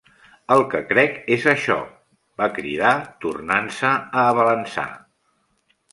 "El que crec és això", va cridar, tornant-se a abalançar.